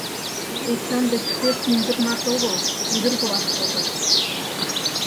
Эчан деч пеш мӱндырнат огыл ӱдыр-влак шогат.